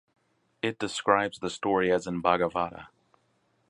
It describes the story as in Bhagavata.